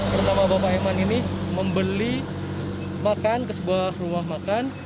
pertama bapak eman ini membeli makan ke sebuah rumah makan